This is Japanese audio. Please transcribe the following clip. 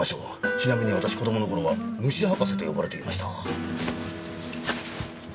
ちなみに私子供の頃は虫博士と呼ばれていました。